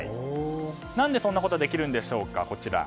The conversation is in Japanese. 何でそんなことができるんでしょうか。